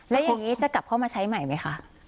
แล้วอย่างนี้จะกลับเข้ามาใช้ใหม่ไหมคะ